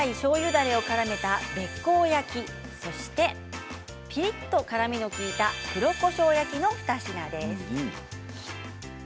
だれをからめたべっこう焼きそしてピリっと辛みの利いた黒こしょう焼きの２品です。